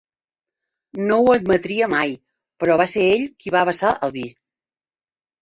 No ho admetria mai, però va ser ell qui va vessar el vi.